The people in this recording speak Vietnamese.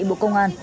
bộ công an